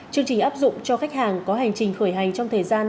chương trình áp dụng cho khách hàng có hành trình khởi hành trong thời gian